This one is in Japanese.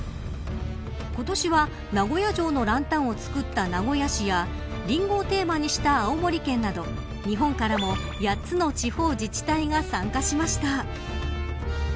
今年は名古屋城のランタンを作った名古屋市やリンゴをテーマにした青森県など日本からも８つの地方自治体が参加しました。